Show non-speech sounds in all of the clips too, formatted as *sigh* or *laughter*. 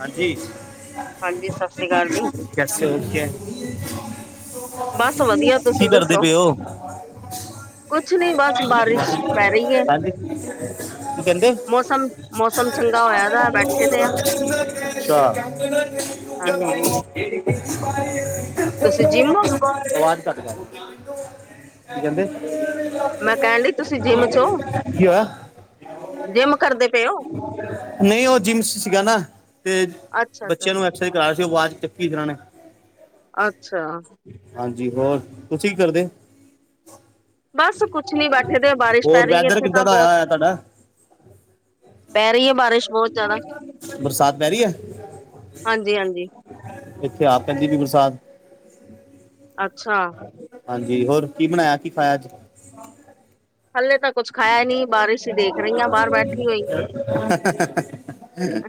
ਹਾਂਜੀ। ਹਾਂਜੀ ਸਤਿ ਸ੍ਰੀ ਅਕਾਲ ਜੀ। ਕੈਸੇ ਹੋ ਓਕੇ- ਬਸ ਵਧੀਆ ਕੀ ਤੁਸੀਂ ਕਰਦੇ ਦੱਸੋ ਪਏ ਉਹ- ਕੁਛ ਨੀ ਬਸ ਹਾਂਜੀ ਬਾਰਿਸ਼ ਪੈ ਰਹੀ ਹੈ ਕੀ ਕਹਿੰਦੇ? ਮੌਸਮ ਮੌਸਮ ਚੰਗਾ ਹੋਇਆ ਦਾ ਬੈਠੇ ਦੇ ਆ *unintelligible* ਹਾਂਜੀ ਅੱਛਾ। ਤੁਸੀਂ ਜਿਮੋ? ਆਵਾਜ਼ ਘੱਟ ਕਰ, ਕੀ ਕਹਿੰਦੇ ਮੈਂ ਕਹਿਣ ਡ ਤੁਸੀਂ ਜਿੰਮ ਚ ਹੋ ਕੀ ਹੋਇਆ ਜਿੰਮ ਕਰਦੇ ਪਏ ਹੋ ਨਹੀਂ ਉਹ ਜਿੰਮਸ ਸੀਗਾ ਤੇ ਅੱਛਾ ਬੱਚਿਆਂ ਅੱਛਾ ਨੂੰ ਐਕਸਰਸਾਈਜ਼ ਕਰਾ ਰਹੀ ਸੀ ਆਵਾਜ਼ ਚੱਕੀ ਜਨਾਂ ਨੇ ਅੱਛਾ ਹਾਂਜੀ ਹੋਰ, ਤੁਸੀਂ ਕੀ ਕਰਦੇ। ਬਸ ਕੁਛ ਨੀ ਬੈਠੇ ਦੇ ਆ, ਬਾਰਿਸ਼ ਪੈ ਹੋਰ ਰਹੀ ਏ ਵੈਦਰ ਇੱਥੇ ਕਿੱਦਾਂ ਤਾ ਦਾ ਆਇਆ ਬਹੁਤ। ਹੋਇਆ ਤੁਹਾਡਾ ਪੈ ਰਹੀ ਏ ਬਾਰਿਸ਼ ਬਹੁਤ ਜ਼ਿਆਦਾ। ਬਰਸਾਤ ਪੈ ਰਹੀ ਏ। ਹਾਂਜੀ ਹਾਂਜੀ ਇੱਥੇ ਆਪ, ਕਦੀ ਵੀ ਬਰਸਾਤ ਅੱਛਾ। ਹਾਂਜੀ ਹੋਰ ਕੀ ਬਣਾਇਆ, ਕੀ ਖਾਇਆ ਅੱਜ। ਹਲੇੇ ਤਾਂ ਕੁੱਛ ਖਾਇਆ ਨੀ, ਬਾਰਿਸ਼ ਹੀ ਦੇਖ ਰਹੀ ਆ ਬਾਹਰ ਬੈਠੀ ਹੋਈ। ਹ *inaudible*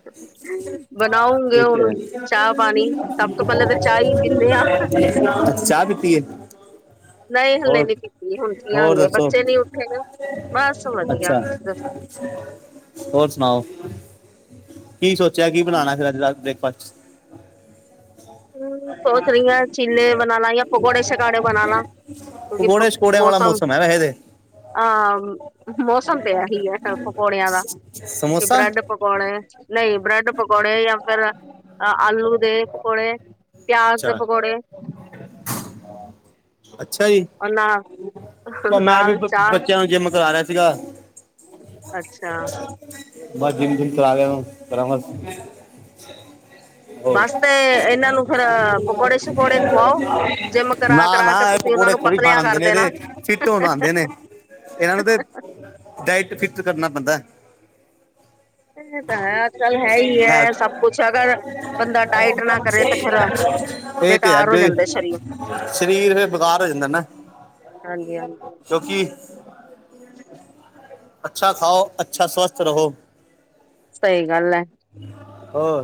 *inaudible* ਬਣਾਉਂਗੇ ੳ ਤੇ ਹੁਣ ਈ ਚਾਹ ਪਾਣੀ ਸਭ ਤੋਂ ਪਹਿਲਾਂ ਤਾਂ ਚਾਹ ਹੀ ਪੀਂਦੇ ਆ ਚਾ ਪੀ *unintelligible* ਤੀ ਏ। *unintelligible* ਨਹੀ ਹੱਲੇ ਨੀ ਪੀਤੀ, ਹੁਣ ਹੋਰ ਪੀਆਂਗੇ, ਦੱਸੋ ਬੱਚੇ ਨੀ ਉਠੇ ਨਾ। ਬਸ ਵਧੀਆ ਅੱਛਾ, ਤੁਸੀਂ ਦੱਸੋ ਹੋਰ ਸੁਣਾਓ। ਕੀ ਸੋਚਿਆ, ਕੀ ਹਮ ਬਣਾਉਣਾ ਫੇਰ ਅੱਜ ਬ੍ਰੇਕਫਾਸਟ 'ਚ। ਹੂੰ ਪਕੌੜੇ ਸ਼ਕਾੜੇ ਬਣਾ ਲਾ ਕਿਉਂਕਿ ਪਕੌੜੇ 'ਚ ਪਕੌੜਿਆਂ ਵਾਲਾ ਮੌਸਮ ਹੈ, ਵੈਸੇ ਤੇ। ਆ, ਮੌਸਮ ਤੇ ਇਹੀ ਏ ਪਕੌੜਿਆਂ ਦਾ। ਤੇ ਕਿ ਸਮੋਸਾ ਬ੍ਰੈਡ ਪਕੌੜੇ ਨਹੀ ਬ੍ਰੈਡ ਪਕੌੜੇ ਜਾਂ ਫਿਰ ਆਲੂ ਦੇ। ਤੇ, ਪਿਆਜ ਦੇ ਅੱਛਾ ਪਕੌੜੇ ਅੱਛਾ ਜੀ, ਔਰ ਨਾਲ ੳ ਮੈਂ ਵੀ ਨਾਲ ਬ ਚਾਹ ਬੱਚੇ ਜਿੰਮ ਕਰਾ ਰਿਹਾ ਸੀਗਾ। ਅੱਛਾ। ਬਸ ਜਿਮ ਜਿਮ ਕਰਾ ਰਿਹਾ, ਕਰਾਵਾ। ਹ *inaudible* ਬਸ ਤੇ, ਇਹਨਾਂ ਨੂੰ ਫਿਰ ਪਕੌੜੇ ਸ਼ਕੌੜੇ ਖਵਾਓ ਜਿੰਮ ਕਰਾ ਨਾ -ਕਰਾ ਨਾ ਕੇ ਇਹ ਤੁਸ ਪਕੌੜੇ ਥੋੜ੍ਹੀ ਖਾਣ ਆਉਂਦੇ ਨੇ ਤੇ, ਫਿੱਟ ਹੋਣ ਆਂਉਦੇ ਨੇ। ਇਹਨਾਂ ਨੂੰ ਤੇ, ਡਾਇਟ ਫਿਟ ਕਰਨਾ ਪੈਂਦਾ। ਇਹ ਤਾਂ ਹੈ ਅੱਜ ਕੱਲ ਹੈ ਹੀ ਹੈ ਹਹ *unintelligible* ਸਭ ਕੁਛ ਅਗਰ ਬੰਦਾ ਡਾਇਟ ਨਾ ਕਰੇ ਤਾਂ ਫੇਰ ਇਹ ਤੇ ਬੇਕਾਰ ਹੋ ਫਿਰ, ਜਾਂਦਾ ਸਰੀਰ ਸਰੀਰ ਬੇਕਾਰ ਹੋ ਜਾਂਦਾ ਨਾ। ਹਾਂਜੀ, ਹਾਂਜੀ। ਕਿਉਂਕਿ ਅੱਛਾ ਖਾਓ, ਅੱਛਾ ਸਵਸਥ ਰਹੋ। ਸਹੀ ਗੱਲ ਹੈ। ਹੋਰ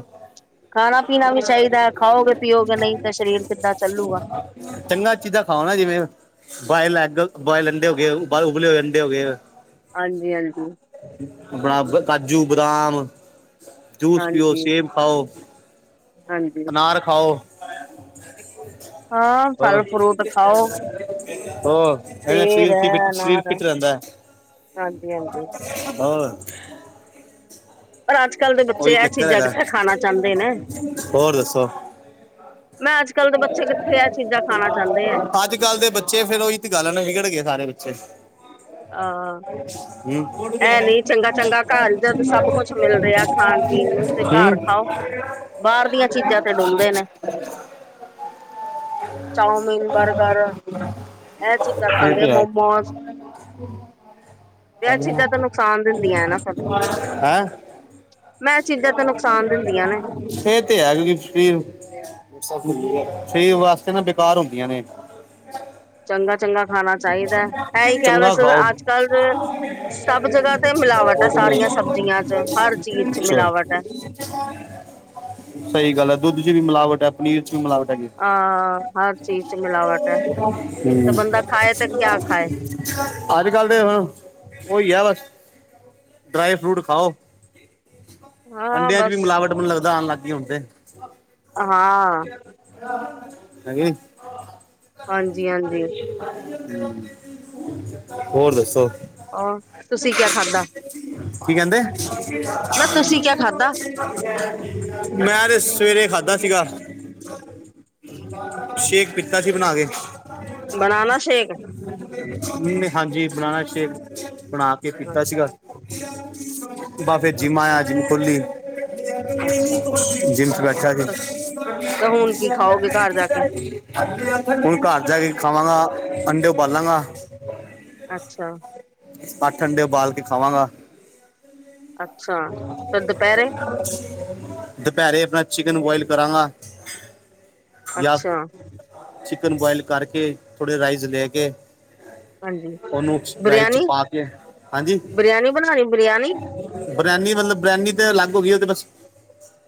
ਖਾਣਾ ਪੀਣਾ ਵੀ ਚਾਹੀਦਾ, ਖਾਓਗੇ, ਪੀਓਗੇ ਨਹੀਂ ਤਾਂ ਸਰੀਰ ਕਿੱਦਾਂ ਚੱਲੂਗਾ। ਚੰਗਾ ਚੀਜ਼ਾਂ ਖਾਓ ਨਾ ਜਿਵੇਂ ਬੁਆਇਲ ਐਗ, ਬੁਆਇਲ ਅੰਡੇ ਹੋ ਗਏ। ਉਬਲੇ ਹੋਏ ਅੰਡੇ ਹੋ ਗਏ। ਹਾਂਜੀ, ਹਾਂਜੀ। ਆਪਣਾ ਕਾਜੂ, ਬਦਾਮ, ਜੂਸ ਪਿਓ ਹਾਂਜੀ ਸੇਬ ਖਾਓ, ਹਾਂਜੀ ਅਨਾਰ ਖਾਓ। ਹਾਂ ੳਹ, ਫਲ ਫਰੂਟ ਖਾਓ ੳਹ ਏਨੇ ਸੇਬ ਸਰੀਰ ਦੀ ਹੈ ਮਿ ਸਰੀਰ ਅਨਾਰ ਹੈ ਫਿਟ ਰਹਿੰਦਾ, ਹਾਂਜੀ ਹਾਂਜੀ ਹੋਰ। ਪਰ ਅੱਜ ਕੱਲ੍ਹ ਦੇ ਬੱਚੇ ਕੋਈ ਇਹ ਚੱਕਰ ਚੀਜ਼ਾਂ ਹੈਗਾ, ਕਿੱਥੇ ਖਾਣਾ ਚਾਹੁੰਦੇ ਨੇ ਹੋਰ ਦੱਸੋ। ਮੈਂ ਅੱਜ ਕੱਲ੍ਹ ਦੇ ਬੱਚੇ ਕਿੱਥੇ ਇਹ ਚੀਜ਼ਾਂ ਖਾਣਾ ਚਾਹੁੰਦੇ ਹੈ ਅੱਜ ਕੱਲ ਦੇ ਬੱਚੇ ਫੇਰ ਉਹੀ ਸਈ ਗੱਲ ਨਾ ਵਿਗੜ ਗਏ ਸਾਰੇ ਬੱਚੇ। ਆ। ਘਰ ਜਦ ਸਭ ਕੁਛ ਮਿਲ *unintelligible* ਰਿਹਾ ਖਾਣ ਪੀਣ ਨੂੰ ਤੇ ਹੂੰ, ਘਰ ਖਾਓ ਬਾਹਰ ਚਾਉਮੀਨ ਬਰਗਰ ਇਹ ਚੀਜ਼ਾਂ ਖਾਂਦੇ ਤੇ ਹੈ ਮੋਮੋਸ ਤੇ ਇਹ ਚੀਜ਼ਾਂ ਤਾਂ ਨੁਕਸਾਨ ਦਿੰਦੀਆਂ ਨਾ ਪਰ। ਦਿੰਦੀਆਂ ਨੇ ਏ ਤੇ ਹੈਗੀ ਫਿਰ ਸਰੀਰ ਵਾਸਤੇ ਨਾ ਬੇਕਾਰ ਹੁੰਦੀਆਂ ਨੇ। ਚੰਗਾ ਚੰਗਾ ਖਾਣਾ ਚਾਹੀਦਾ ਇਹ ਕਿਆ ਚੰਗਾ ਵੈਸੇ ਖਾਓ ਅੱਜ ਕੱਲ ਸਭ ਜਗ੍ਹਾ ਤੇ ਮਿਲਾਵਟ ਐ ਸਾਰੀਆਂ ਸਬਜ਼ੀਆਂ ਚ ਹਰ ਚੀਜ਼ ਚ ਅੱਛਾ ਮਿਲਾਵਟ ਹੈ। ਸਹੀ ਗੱਲ ਐ ਦੁੱਧ ਚ ਵੀ ਮਿਲਾਵਟ ਐ ਪਨੀਰ ਕਿ ਮਲਾਵਟ ਹੈਗੀ। ਅਹ ਹਰ ਚੀਜ਼ ਚ ਮਿਲਾਵਟ ਹੈ ਤੇ ਬੰਦਾ ਖਾਏ ਤੇ ਕਿਆ ਖਾਏ ਅੱਜ ਕੱਲ੍ਹ ਤਾ ਫਿਰ ਉਹੀ ਐ ਬਸ ਡਰਾਈ ਫਰੂਟ ਖਾਓ। ਹਾਂ ਅੰਡਿਆਂ ਚ ਵੀ ਬਸ ਮਿਲਾਵਟ ਮੈਨੂੰ ਲੱਗਦਾ ਆਣ ਲੱਗ ਗਈ ਹੁਣ ਤੇ ਹਾਂ। ਹਾਂਜੀ। ਹਾਂਜੀ ਹਾਂਜੀ ਹੋਰ ਦੱਸੋ? ਆਹ ਤੁਸੀਂ ਕਿਆ ਖਾਂਦਾ। ਕੀ ਕਹਿੰਦੇ। ਮੈਂ ਤੁਸੀਂ ਕਿਆ ਖਾਧਾ? ਮੈਂ ਤੇ ਸਵੇਰੇ ਖਾਧਾ ਸੀਗਾ। ਸ਼ੇਕ ਪੀਤਾ ਸੀ ਬਣਾ ਕੇ। ਬਨਾਨਾ ਸ਼ੇਕ ਹਾਂਜੀ ਬਣਾਣਾ ਸ਼ੇਕ ਬਣਾ ਕੇ ਪੀਤਾ ਸੀਗਾ ਬਸ ਫੇਰ ਜਿੰਮ ਅੱਛਾ ਆਇਆ ਜਿੰਮ ਖੋਲੀ ਅੱਛਾ ਜਿੰਮ ਚ ਬੈਠਾ ਸੀ। *unintelligible* ਹੁਣ ਤਾਂ ਹੁਣ ਕੀ ਖਾਓਗੇ ਘਰ ਜਾ ਕੇ ਘਰ ਜਾ ਕੇ ਖਾਵਾਂਗਾ ਅੰਡੇ ਉਬਾਲਾਂਗਾ। ਅੱਛਾ। ਅੱਠ ਅੰਡੇ ਉਬਾਲ ਕੇ ਖਾਵਾਂਗਾ। ਅੱਛਾ ਫਿਰ ਦੁਪਹਿਰੇ *unintelligible* ਦੁਪਹਿਰੇ ਆਪਣਾ ਚਿਕਨ ਬੋਆਇਲ ਕਰਾਂਗਾ ਜਾਂ ਅੱਛਾ ਚਿਕਨ ਬੁਆਇਲ ਕਰਕੇ ਥੋੜੇ ਰਾਈਸ ਲੈ ਕੇ ਹਾਂਜੀ ਉਹਨੂੰ ਰਾਈਸ 'ਚ ਬਰਿਆਨੀ ਪਾ ਕੇ ਹਾਂਜੀ। ਬਰਿਆਨੀ ਬਣਾਣੀ ਬਰਿਆਨੀ ਬਰਿਆਨੀ ਮਤਲਬ ਬਰਿਆਨੀ ਤੇ ਅਲੱਗ ਹੋ ਗਈ ਉਹ ਤੇ ਬਸ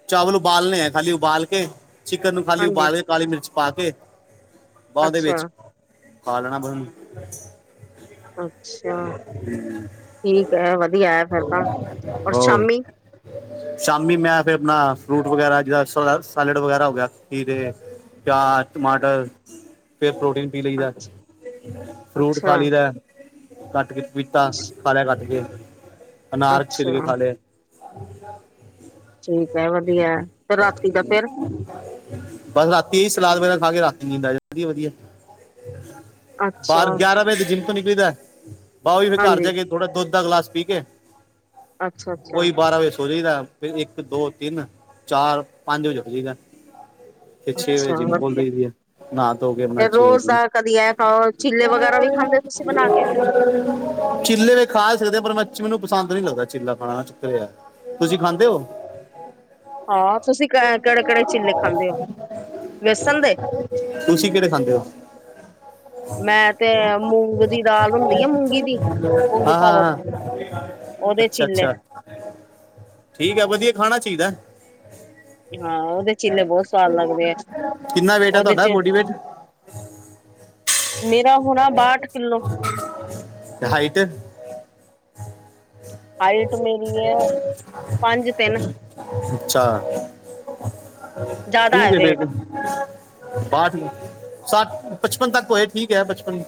ਚਾਵਲ ਉਬਾਲਣੇ ਆ ਖਾਲੀ ਉਬਾਲ ਕੇ ਚਿਕਨ ਨੂੰ ਖਾਲੀ ਹਾਂਜੀ ਉਬਾਲ ਕੇ ਕਾਲੀ ਮਿਰਚ ਪਾ ਕੇ ਉਹਦੇ ਅੱਛਾ ਵਿੱਚ ਬਾਲ ਲੈਣਾ ਫਿਰ ਓਨੂੰ। ਅੱਛਾ ਠੀਕ ਐ ਵਧੀਆ ਫੇਰ ਤਾਂ ਹੋਰ ਉਹ ਸ਼ਾਮੀ ਸ਼ਾਮੀ ਮੈਂ ਫੇਰ ਆਪਣਾ ਫਰੂਟ ਵਗੈਰਾ ਜਿ ਸੈਲਡ ਵਗੈਰਾ ਹੋ ਗਿਆ ਤੇ ਪਿਆਜ ਟਮਾਟਰ ਫੇਰ ਪ੍ਰੋਟੀਨ ਪੀ ਲਈ ਦਾ ਫਰੂਟ ਖਾ ਅੱਛਾ ਲਈ ਦਾ ਕੱਟ ਕੇ ਪਪੀਤਾ ਖਾ ਲਿਆ ਰੱਜ ਕੇ ਕੱਟ ਕੇ ਅਨਾਰ ਛਿਲ ਅੱਛਾ ਕੇ ਖਾ ਲਿਆ। ਹ *unintelligible* ਠੀਕ ਐ ਵਧੀਆ ਰਾਤੀ ਦਾ ਫੇਰ ਬਸ ਰਾਤੀ ਸਲਾਦ ਵਗੈਰਾ ਖਾ ਕੇ ਰਾਤੀ ਨੀਂਦ ਆ ਜਾਂਦੀ ਵਧੀਆ। ਅੱਛਾ ਬਾਰ ਗਿਆਰਾਂ ਵਜੇ ਤੇ ਜਿੰਮ ਤੋਂ ਨਿਕਲੀਦਾ ਹੋਰ ਘਰ ਹਾਂਜੀ ਜਾ ਕੇ ਥੋੜਾ ਦੁੱਧ ਦਾ ਗਲਾਸ ਪੀ ਕੇ ਅੱਛਾ ਅੱਛਾ ਓਹੀ ਬਾਰਾਂ ਵਜੇ ਸੋ ਜਾਈਦਾ। ਫਿਰ ਇੱਕ ਦੋ ਤਿੰਨ ਚਾਰ ਪੰਜ ਵਜੇ ਉੱਠ ਜਾਈਦਾ। ਤੇ ਛੇ ਵਜੇ ਜਿੰਮ ਖੋਲ ਲਈ ਦੀ ਹੈ ਨਾਤ ਤੋ ਕੇ ਆਪਣਾ ਫ ਵਜੇ ਰੋਜ਼ ਜਿੰਮ ਦਾ ਕਦੀ ਇਹ ਖਾਓ ਚੀਲੇ ਵਗੈਰਾ ਵੀ ਖਾਂਦੇ ਤੁਸੀਂ ਬਣਾ ਕੇ *inaudible* ਚਿੱਲੇ ਵੀ ਖਾ ਸਕਦੇ ਆ ਪਰ ਮੀ ਮੈਨੂੰ ਪਸਦ ਨਹੀਂ ਲੱਗਦਾ ਚਿੱਲਾ ਖਾਣਾ ਚੁੱਕਰ ਤੁਸੀਂ ਖਾਂਦੇ ਹੋ ਹਾਂ ਤੁਸੀਂ ਕਿਹੜੇ ਕਿਹੜੇ ਚੀਲੇ ਖਾਂਦੇ ਹੋ ਵੇਸਣ ਦੇ ਤੁਸੀਂ ਕਿਹੜੇ ਖਾਂਦੇ ਹੋ ਮੈਂ ਤੇ ਮੂੰਗ ਦੀ ਦਾ ਦਾਲ ਹੁੰਦੀ ਆ ਮੂੰਗੀ ਦੀ ਮੂੰਗੀ ਹਾਂ ਹਾਂ ਸਾਬਤ ਹਾਂ ਉਹਦੇ ਅੱਛਾ ਚੀਲੇ ਅੱਛਾ ਠੀਕ ਆ ਵਧੀਆ ਖਾਣਾ ਚਾਹੀਦਾ ਹਾਂ ਉਹਦੇ ਚੀਲੇ ਬਹੁਤ ਸਵਾਦ ਲੱਗਦੇ ਆ ਕਿੰਨਾ ਹੈ ਉਹਦੇ ਤੁਹਾਡਾ ਚ ਬੋਡੀ ਮੇਰਾ ਹੁਣਾ ਬਾਹਠ ਕਿੱਲੋ ਤੇ ਹਾਈਟ ਹਾਈਟ ਮੇਰੀ ਹੈ ਪੰਜ ਤਿੰਨ ਅੱਛਾ ਜ਼ਿਆਦਾ ਠੀਕ ਹੈ ਫੇ ਵੇਟ ਬਾਠ ਸੱਤ ਪਚਪਨ ਤੱਕ ਹੋਏ ਠੀਕ ਹੈ ਪਚਪਨ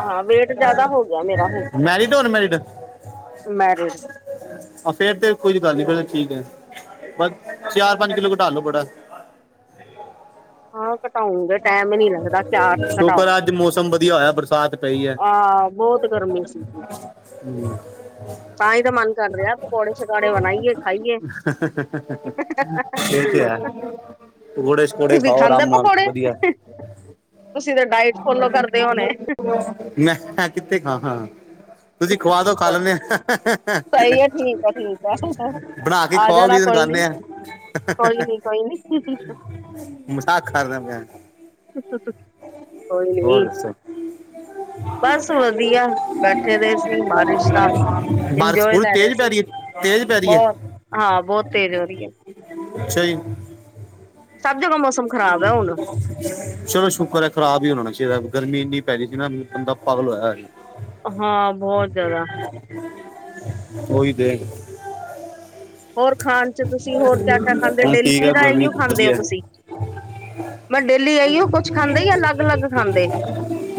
ਹਾਂ ਵੇਟ ਜ਼ਿਆਦਾ ਹੋ ਗਿਆ ਮੇਰਾ ਹੁਣ ਮੈਰਿਡ ਨਮੈਰਿਡ ਮੈਰਿਡ ਆ ਫੇਰ ਤੇ ਕੋਈ ਗੱਲ ਨੀ ਫਿਰ ਠੀਕ ਹੈ ਬਸ ਚਾਰ ਪੰਜ ਕਿਲੋ ਕਟਾ ਲੋ ਬੜਾ *inaudible* ਹਾਂ ਘਟਾਉਨ ਦਾ ਟੈਮ ਨੀ ਲੱਗਦਾ ਚਆ ਸ਼ੁਕਰ ਘਟਾਉ ਹੈ ਅੱਜ ਮੌਸਮ ਵਧੀਆ ਹੋਇਆ ਬਰਸਾਤ ਪਈ ਹੈ ਆਹ ਬਹੁਤ ਗਰਮੀ ਸੀਗੀ ਹਮ ਤਾਂ ਹੀ ਤਾਂ ਮਨ ਕਰ ਰਿਹਾ ਪਕੌੜੇ ਸ਼ਕੌੜੇ ਬਣਾਈਏ ਖਾਈਏ ਇਹ ਤੇ ਹੈ ਪਕੋੜੇ ਤੁਸੀਂ ਖਾਂਦੇ ਪਕੌੜੇ ਤੁਸੀਂ ਤਾਂ ਡਾਇਟ ਫੋਲੋ ਕਰਦੇ ਹੋਣੇ ਮੈਂ ਕਿੱਥੇ ਖਾਂ ਸਕਦਾ ਤੁਸੀਂ ਖਵਾ ਦੋ ਖਾ ਲੈਂਨੇ ਐ ਸਹੀ ਹੈ ਠੀਕ ਹੈ ਠੀਕ ਹੈ ਬਣਾ ਤੁਸੀਂ ਆ ਜਾਣਾ ਖਾਓਗੇ ਕੋਈ ਨੀ ਖਾਨੇ ਆ ਕੋਈ ਨੀ ਕੋਈ ਨੀ ਕੋਈ ਆ ਖਾਣਾ ਪਿਆ ਕੋਈ ਨੀ ਦੱਸੋ ਬਸ ਵਧੀਆ ਬੈਠੇ ਦੇ ਸੀ ਬਾਰਿਸ਼ ਤਾਂ ਬਾਰਿਸ਼ ਇੰਜੋਏ ਪੂਰੀ ਲੈ ਰਹੇ ਤੇਜ਼ ਸੀ ਪੈ ਰਹੀ ਹੈ ਤੇਜ਼ ਪੈ ਰਹੀ ਹੈ ਬਹੁਤ ਹਾਂ ਬਹੁਤ ਤੇਜ਼ ਹੋ ਰਹੀ ਹੈ ਅੱਛਾ ਜੀ, ਸਭ ਜਗ੍ਹਾ ਮੌਸਮ ਖਰਾਬ ਹੈ ਹੁਣ ਚਲੋ ਸ਼ੁਕਰ ਹੈ ਖਰਾਬ ਹੀ ਹੋਣਾ ਚਾਹੀਦਾ, ਗਰਮੀ ਇੰਨੀ ਪੈ ਰਹੀ ਸੀ ਨਾ ਬੰਦਾ ਪਾਗਲ ਹੋਇਆਂ ਹੀ ਹਾਂ ਬਹੁਤ ਜਿਆਦਾ, ਉਹੀ ਤੇ, ਹੋਰ ਖਾਣ ਚ ਤੁਸੀਂ ਹੋਰ ਕਿਆ ਕਿਆ ਖਾਂਦੇ ਹੋ ਹੁਣ ਠੀਕ ਡੇਲੀ ਹੈ ਦਾ ਗਰਮੀ ਇਹੀਓ ਖਾਂਦੇ ਹੋ ਵਧੀਆ ਹੈ। ਤੁਸੀਂ ਮੈਂ ਡੇਲੀ ਆਈਓ ਕੁਛ ਖਾਂਦੇ ਜਾਂ ਅਲੱਗ ਅਲੱਗ ਖਾਂਦੇ।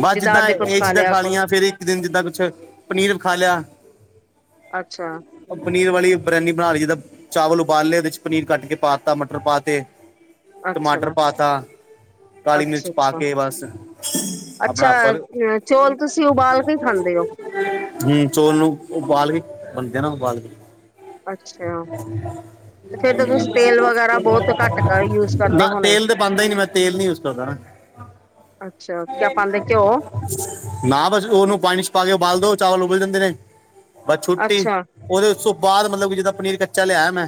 ਬਸ ਜਿੱਦਾਂ ਅੱਜ ਕੁੱਛ ਇਹ ਚੀਜ਼ਾਂ ਲਿਆ ਖਾ ਕੋਣ ਲਈਆਂ ਫੇਰ ਇੱਕ ਦਿਨ ਜਿੱਦਾਂ ਕੁਛ ਪਨੀਰ ਖਾ ਲਿਆ। ਅੱਛਾ, ਪਨੀਰ ਵਾਲੀ ਬਰਿਆਨੀ ਬਣਾ ਲਈ ਜਿੱਦਾਂ ਚਾਵਲ ਉਬਾਲ ਲਿਆ ਉਹਦੇ ਚ ਪਨੀਰ ਕੱਟ ਕੇ ਪਾ ਤਾ ਮਟਰ ਪਾ ਤੇ ਟਮਾਟਰ ਅੱਛਾ ਪਾ ਤਾ ਕਾਲੀ ਅੱਛਾ ਮਿਰਚ ਪਾ ਅੱਛਾ ਕੇ ਬਸ ਆਪਣਾ ਅੱਛਾ ਆਪ ਪਰ ਅ, ਚੌਲ ਤੁਸੀਂ ਉਬਾਲ ਕੇ ਹੀ ਖਾਂਦੇ ਹੋ ਹਮ ਚੌਲ ਨੂੰ ਉਬਾਲ ਕੇ ਬਣਦੇ ਨਾ ਉਬਾਲ ਕੇ ਅੱਛਾ ਤੇ ਫੇਰ ਤਾਂ ਤੁਸੀਂ ਤੇਲ ਵਗੈਰਾ ਬਹੁਤ ਘੱਟ ਕਰ ਯੂਜ ਕਰਦੇ ਨਾ ਹੋਣੇ ਤੇਲ ਤੇ ਪਾਉਦਾ ਹੀ ਨੀ ਮੈਂ ਤੇਲ ਨੀ ਯੂਜ ਕਰਦਾ ਨਾ ਅੱਛਾ ਕਿਆ ਪਾਉਂਦੇ ਘਿਓ ਨਾ ਬਸ ਉਹਨੂੰ ਪਾਣੀ ਚ ਪਾ ਕੇ ਉਬਾਲ ਦੋ ਚਾਵਲ ਉਬਲ ਜਾਂਦੇ ਨੇ ਬਸ ਛੁੱਟੀ ਅੱਛਾ ਉਹਦੇ ਉਸ ਤੋਂ ਬਾਅਦ ਮਤਲਬ ਕਿ ਜਿੱਦਾਂ ਪਨੀਰ ਕੱਚਾ ਲਿਆਇਆ ਮੈਂ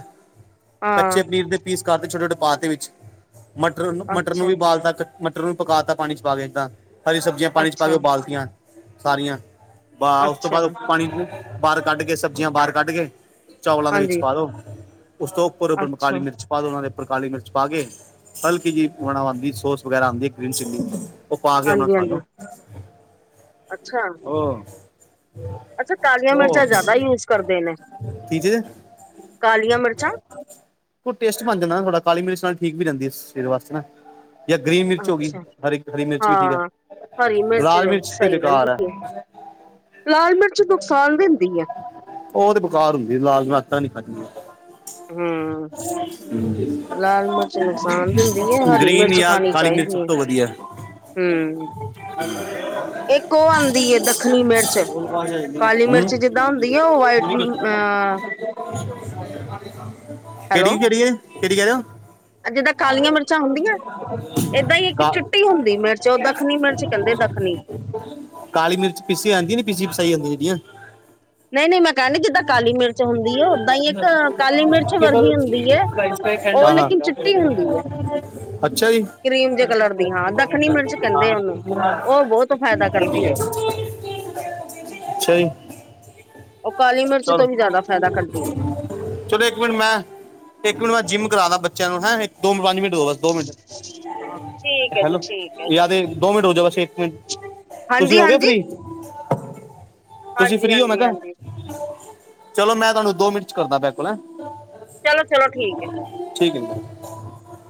ਕੱਚੇ ਹਾਂ ਪਨੀਰ ਦੇ ਪੀਸ ਕਰਦੇ ਛੋਟੇ-ਛੋਟੇ ਪਾ ਤੇ ਵਿੱਚ ਮਟਰ-ਮਟਰ ਨੂੰ ਅੱਛਾ ਵੀ ਬਾਲ ਤ ਮਟਰ ਨੂੰ ਪਕਾ ਤਾ ਪਾਣੀ 'ਚ ਪਾ ਕੇ ਏਦਾਂ, ਹਰੀ ਸਬਜ਼ੀਆਂ ਪਾਣੀ ਚ ਪਾ ਕੇ ਅੱਛਾ ਉਬਾਲਤੀਆਂ ਸਾਰੀਆਂ। ਬਾ ਉਸ ਤੋਂ ਅੱਛਾ ਬਾਅਦ ਪਾਣੀ ਨੂੰ ਬਾਹਰ ਕੱਢ ਕੇ, ਸਬਜ਼ੀਆਂ ਬਾਹਰ ਕੱਢ ਕੇ, ਚੌਲਾਂ ਦੇ ਵਿੱਚ ਹਾਂਜੀ ਪਾ ਉਸ ਤੋਂ ਉੱਪਰ ਮ ਅੱਛਾ ਕਾਲੀ ਮਿਰਚ ਬਾਅਦ ਉਹਨਾਂ ਦੇ ਉੱਪਰ ਕਾਲੀ ਮਿਰਚ ਪਾ ਕੇ ਹਲਕੀ ਜਿਹੀ ਬਂਣਵਾਦੀ, ਸੋਸ ਵਗੈਰਾ ਆਂਦੀ ਗ੍ਰੀਨਸ ਚਿਲੀ ਉਹ ਪਾ ਕੇ ਉਹਨਾਂ ਨੂੰ ਹਾਂਜੀ ਖਾਲੋ। ਹਾਂਜੀ ਅੱਛਾ। ਬਾਸ। ਅੱਛਾ, ਕਾਲੀਆਂ ਮਿਰਚਾਂ ਜ਼ਿਆਦਾ ਯੂਜ਼ ਕਰਦੇ ਨੇ, ਠੀਕ ਹੈ ਕਾਲੀਆਂ ਮਿਰਚਾਂ ਉਹ ਟੇਸਟ ਬਣ ਜਾਂਦਾ ਨਾ ਥੋੜਾ ਕਾਲੀ ਮਿਰਚ ਨਾਲ ਠੀਕ ਵੀ ਰੈਦੀਂ ਆ, ਸਰੀਰ ਵਾਸਤੇ ਨਾ। ਜੇ ਗ੍ਰੀਨ ਮਿਰਚ ਹੋ ਗੀ, ਅੱਛਾ ਹਰੀ-ਹਰੀ ਮਿਰਚ ਵੀ ਠੀਕ ਆ। ਹਾਂ ਹਰੀ ਲਾਲ ਮਿਰਚ ਤੇ ਸਹੀ ਬੇਕਾਰ ਰਹਿੰਦੀ ਐ। ਲਾਲ ਮਿਰਚ, ਨੁਕਸਾਨ ਵੀ ਹੁੰਦੀ ਆ। ਉਹ ਤੇ ਬੇਕਾਰ ਹੁੰਦੀ ਏ ਲਾਲ ਮੈ ਤਾਂ ਨੀ ਖਾਦੀ। ਹੂੰ। ਲਾਲ ਮਿਰਚ ਨੁਕਸਾਨ ਦਿੰਦੀ ਐ, ਹਰੀ ਗ੍ਰੀਨ ਮਿਰਚ ਜਾਂ ਖਾਂਣੀ ਕਾਲੀ ਮਿਰਚ ਸਭ ਚਾਈਦੀ ਏ। ਤੋਂ ਵਧੀਆ ਹੂੰ। *inaudible* ਇੱਕ ਉਹ ਆਂਦੀ ਏ ਦੱਖਣੀ ਮਿਰਚ ਕਾਲੀ ਮਿਰਚ ਹੂੰ ਜਿੱਦਾਂ ਹੁੰਦੀ ਏ, ਉਹ ਵਾਈਟ ਅਹ ਹੈਲੋ ਕਿਹੜੀ-ਕਿਹੜੀ ਐ, ਕਿਹੜੀ ਕਹਿ ਰ‌ੇ ਓ ਜਿੱਦਾਂ ਕਾਲੀਆਂ ਮਿਰਚਾਂ ਹੁੰਦੀਆਂ। ਏਦਾਂ ਈ ਇੱਕ ਕਾ- ਚੁੱਟੀ ਹੁੰਦੀ ਮਿਰਚ, ਉਹ ਦੱਖਣੀ ਮਿਰਚ ਕਹਿੰਦੇ, ਦੱਖਣੀ। *inaudible* ਕਾਲੀ ਮਿਰਚ ਪੀਸੀ ਆਂਦੀ ਨੀ, ਪੀਸੀ-ਪਸਾਈ ਆਂਦੀ ਜਿਹੜੀ ਆ। ਨ‌ਈ-ਨ‌ਈ, ਮੈਂ ਕਹਿਣ ਦੀ ਜਿਦਾਂ ਕਾਲੀ ਮਿਰਚ ਹੁੰਦੀ ਓ ਕੇਵਲ ਹੈ *unintelligible* ਉਹ ਹਾਂ-ਹਾਂ। ਲੇਕਿਨ ਚਿੱਟੀ ਹੁੰਦੀ ਹੈ ਅੱਛਾ ਜੀ। ਕਰੀਮ ਜੇ ਕਲਰ ਦੀ ਹਾਂ, ਦੱਖਣੀ ਮਿਰਚ ਕਹਿੰਦੇ ਉਹਨੂੰ, ਉਹ ਬਹੁਤ ਫਾਇਦਾ ਕਰਦੀ ਐ। ਅੱਛਾ ਜੀ ਉਹ ਕਾਲੀ ਮਿਰਚ ਚਲੋ ਤੋਂ ਵੀ ਜ਼ਿਆਦਾ ਫਾਇਦਾ ਕਰਦੀ ਹੈ ਚਲੋ ਇੱਕ ਮਿੰਟ ਮੈਂ ਇੱਕ ਮਿੰਟ ਮੈਂ ਜਿੰਮ ਕਰਾਦਾ ਬੱਚਿਆਂ ਨੂੰ ਹੈਂ, ਦੋ ਪੰਜ ਮਿੰਟ ਰੁਕ ਦੋ ਮਿੰਟ ਠੀਕ ਹੈ ਜੀ ਹੈਲੋ, ਠੀਕ ਹੈ ਯਾ ਤੇ ਦੋ ਮਿੰਟ ਰੁਕ ਜਾ ਬਸ। ਇੱਕ ਮਿੰਟ, ਤੁਸੀਂ ਹਾਂਜੀ ਹੋ ਗੇ ਹਾਂਜੀ ਫ੍ਰਰੀ। ਤੁਸੀਂ ਹਾਂਜੀ ਫ੍ਰੀ ਓ ਮੈਂ ਹਾਂਜੀ ਹਾਂਜੀ ਕਿਹਾ ਚਲੋ ਮੈਂ ਤੁਹਾਨੂੰ ਦੋ ਮਿੰਟ ਚ ਕਰਦਾ ਬੈਕ ਕਾਲ ਹੈ, ਚਲੋ ਚਲੋ ਠੀਕ ਹੈ ਠੀਕ ਏ।